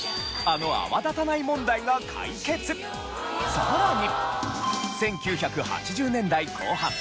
さらに。